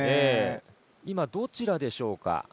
今、どちらでしょうか。